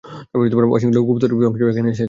ওয়াশিংটনের গুপ্তচরবৃত্তির অংশ হিসেবে এখানে এসেছেন।